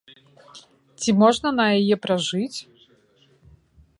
Ці можна на яе пражыць?